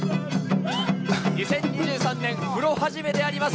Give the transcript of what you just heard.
２０２３年、風呂初めであります。